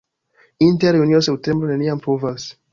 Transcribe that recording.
Inter junio-septembro neniam pluvas.